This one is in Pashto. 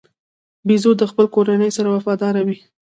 بیزو د خپلې کورنۍ سره وفاداره وي.